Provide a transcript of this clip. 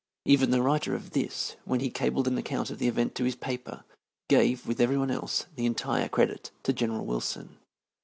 Even the writer of this, when he cabled an account of the event to his paper, gave, with every one else, the entire credit to General Wilson.